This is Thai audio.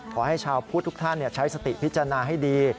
ชาวพุทธทุกท่านใช้สติพิจารณาให้ดี